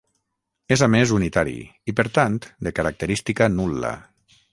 És a més unitari i per tant de característica nul·la.